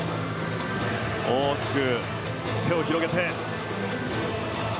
大きく手を広げて。